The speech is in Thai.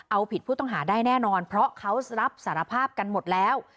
เอาผิดผู้ต้องหาได้แน่นอนเพราะเขารับสารภาพกันหมดแล้ว